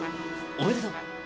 おめでとう。